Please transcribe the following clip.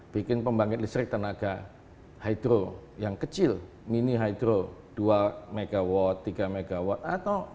bikin pembangunan listrik tenaga hydro yang kecil mini hydro dua megawatt tiga megawatt atau